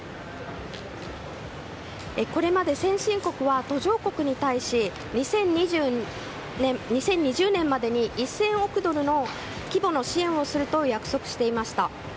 これまで、先進国は途上国に対し２０２０年までに１０００億ドル規模の支援をすると約束していました。